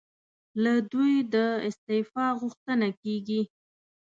له دوی د استعفی غوښتنه کېږي.